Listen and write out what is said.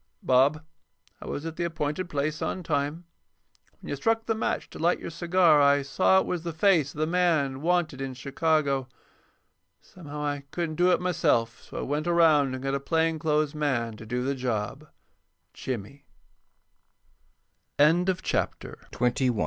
_Bob: I was at the appointed place on time. When you struck the match to light your cigar I saw it was the face of the man wanted in Chicago. Somehow I couldn't do it myself, so I went around and got a plain clothes man to do the job. JIMMY.